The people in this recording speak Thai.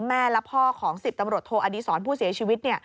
แม่และพ่อของ๑๐ตำรวจโทอดีศรผู้เสียชีวิต